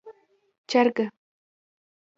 🐔 چرګه